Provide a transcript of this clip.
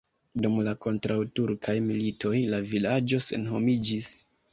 Dum la kontraŭturkaj militoj la vilaĝo senhomiĝis.